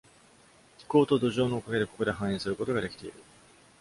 気候と土壌のおかげで、ここで繁栄することができている。